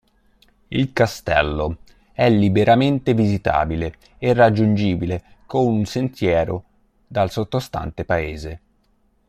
Il castello è liberamente visitabile e raggiungibile con un sentiero dal sottostante paese.